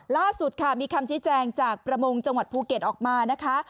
ล่าสุดค่ะมีคำชี้แจงจากประมงจังหวัดภูเก็ตออกมานะคะ